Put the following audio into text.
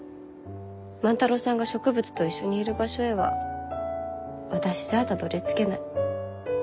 万太郎さんが植物と一緒にいる場所へは私じゃたどりつけない。